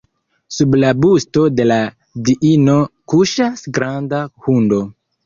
Sub la busto de la diino kuŝas granda hundo.